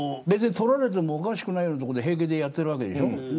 撮られてもおかしくないような所で平気でやっているわけでしょ。